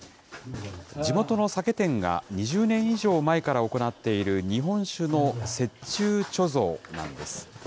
地元の酒店が２０年以上前から行っている日本酒の雪中貯蔵なんです。